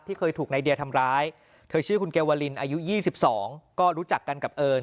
ที่ค่อยถูกในเดียทำร้ายคืออายุ๒๒ก็รู้จักกันกับเอิญ